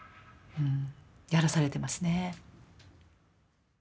やらされてますね。